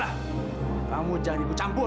kalau jangan ikut campur